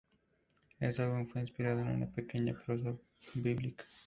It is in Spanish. Éste álbum fue inspirado en una pequeña prosa bíblica.